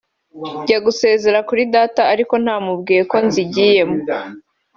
njya gusezera kuri Data ariko ntamubwiye ko nzigiye mo